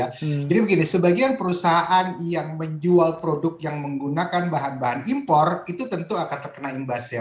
jadi begini sebagian perusahaan yang menjual produk yang menggunakan bahan bahan impor itu tentu akan terkena imbas ya